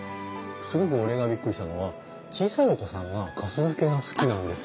すごく俺がびっくりしたのは小さいお子さんがかす漬けが好きなんですよ。